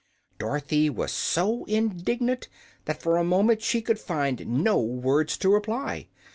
Dorothy was so indignant that for a moment she could find no words to reply.